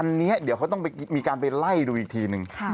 อันนี้เดี๋ยวเขาต้องมีการไปไล่ดูอีกทีนึง